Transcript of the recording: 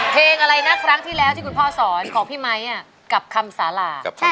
เพลงอะไรนะครั้งที่แล้วที่คุณพ่อสอนของพี่ไมค์กับคำสารา